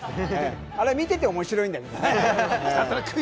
あれ、見てて面白いんだけどね。